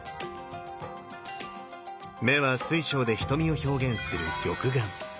目は水晶で瞳を表現する玉眼。